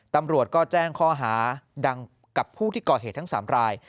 ตำรวจก็แจ้งข้อหาดังกับผู้ที่ก่อเหตุทั้ง๓ราย